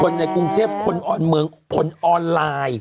ในกรุงเทพคนออนเมืองคนออนไลน์